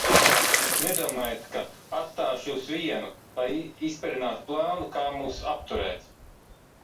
Nedomājāt, ka atstāšu jūs vienu, lai izperinātu plānu, kā mūs apturēt?